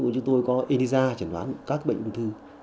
chúng tôi có elisa trần đoán các bệnh ung thư